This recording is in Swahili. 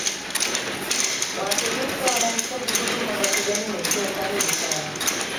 waathirika wanahitaji huduma za kijamii ziwe karibu sana